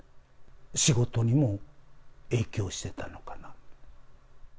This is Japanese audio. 仕事にも影響してたのかな。